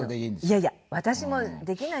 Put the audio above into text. いやいや私もできないんですよ。